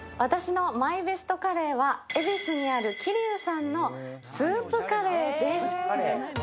私のＭＹＢＥＳＴカレーは恵比寿にある吉柳さんのスープカレーです。